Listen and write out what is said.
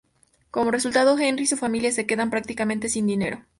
Como resultado, Henry y su familia se quedan prácticamente sin dinero.